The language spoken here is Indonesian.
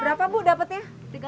berapa bu dapatnya